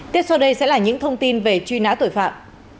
tiếp sau đây sẽ là những thông tin về truy nã tội phạm